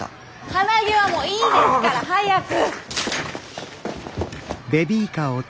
鼻毛はもういいですから早く！